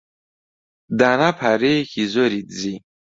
دانا پارەیەکی زۆری دزی.